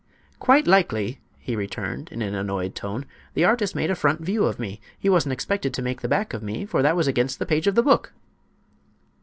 "Quite likely," he returned, in an annoyed tone. "The artist made a front view of me. He wasn't expected to make the back of me, for that was against the page of the book."